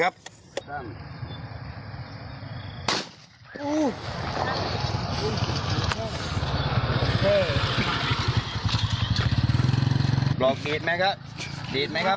บรอกดีดแล้วไหมครับ